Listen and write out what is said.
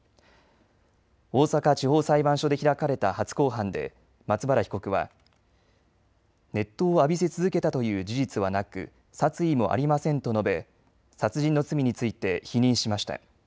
大阪地方裁判所で開かれた初公判で松原被告は熱湯を浴びせ続けたという事実はなく、殺意もありませんと述べ殺人の罪について否認しました。